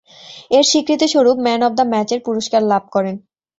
এর স্বীকৃতিস্বরূপ man of the ম্যাচের পুরস্কার লাভ করেন।